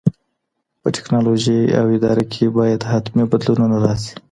په ټیکنالوژۍ او اداره کي باید حتمي بدلونونه راسي.